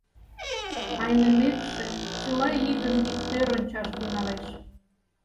Айнымекше, чыла игым иктӧр ончаш тӱҥалеш.